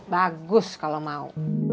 bagus kalau mau